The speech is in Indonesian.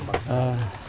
menurut ya pak